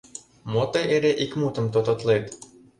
Мо тый эре ик мутым тототлет!